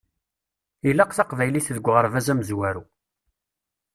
Ilaq taqbaylit deg uɣerbaz amezwaru.